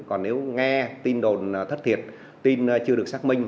còn nếu nghe tin đồn thất thiệt tin chưa được xác minh